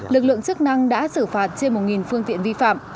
lực lượng chức năng đã xử phạt trên một phương tiện vi phạm